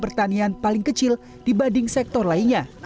pertanian paling kecil dibanding sektor lainnya